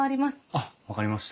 あっ分かりました。